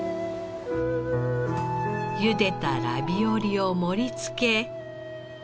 茹でたラビオリを盛りつけ。